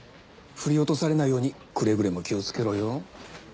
振り落とされないようにくれぐれも気をつけろよ。